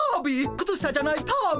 くつしたじゃない足袋！